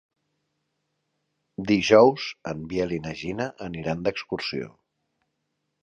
Dijous en Biel i na Gina aniran d'excursió.